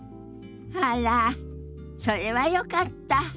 あらそれはよかった。